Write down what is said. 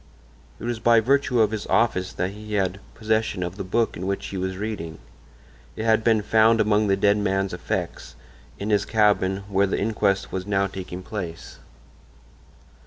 It was by virtue of his office that he had possession of the book in which he was reading; it had been found among the dead man's effects—in his cabin, where the inquest was now taking place.